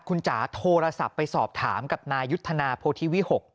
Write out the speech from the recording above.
ขุนจ๋าโทรศัพท์ไปสอบถามกับนายยุธนาโพทีวี๖